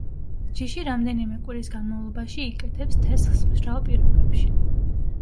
ჯიში რამდენიმე კვირის განმავლობაში იკეთებს თესლს მშრალ პირობებში.